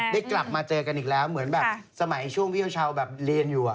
ได้กลับมาเจอกันอีกแล้วเหมือนแบบสมัยช่วงพี่เช้าแบบเรียนอยู่